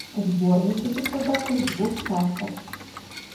Зборнік будзе складацца з дзвюх частак.